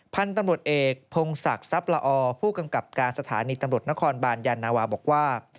พันธุ์ตำรวจเอกพงศักดิ์ทรัพย์ละอผู้กำกับการสถานีตำรวจนครบานยานาวาบอกว่า